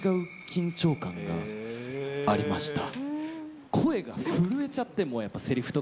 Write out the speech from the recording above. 緊張感がありました。